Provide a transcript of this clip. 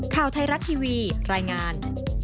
ข่าวไทยรัฐทีวีรายงาน